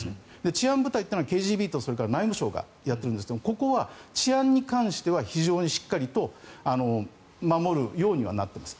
治安部隊というのはＫＧＢと内務省がやっているんですがここは治安に関しては非常にしっかりと守るようにはなっています。